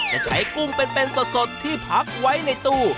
จะใช้กุ้งเป็นสดที่พักไว้ในตู้